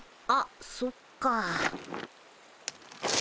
あっそっか。